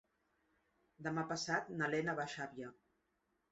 Demà passat na Lena va a Xàbia.